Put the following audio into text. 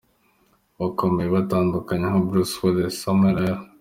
bakomeye batandukanye nka Bruce Willis, Samuel L.